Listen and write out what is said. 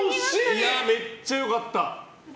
いや、めっちゃ良かった。